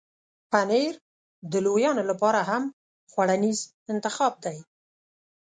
پنېر د لویانو لپاره هم خوړنیز انتخاب دی.